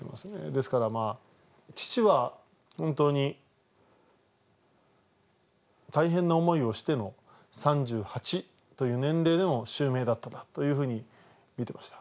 ですから父は本当に大変な思いをしての３８という年齢での襲名だったなというふうに見てました。